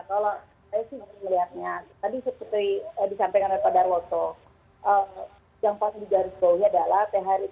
kalau saya sih melihatnya tadi seperti disampaikan daripada roto